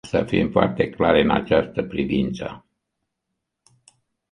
Să fim foarte clari în această privință.